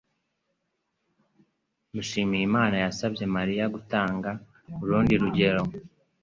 Mushimiyimana yasabye Mariya gutanga urundi rugero.